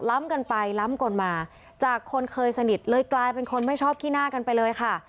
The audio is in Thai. กันไปล้ำกันมาจากคนเคยสนิทเลยกลายเป็นคนไม่ชอบขี้หน้ากันไปเลยค่ะ